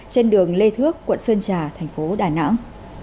trên đường lê thước quận sơn trà tp đài nẵng